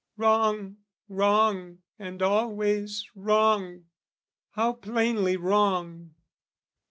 Wrong, wrong and always wrong! how plainly wrong!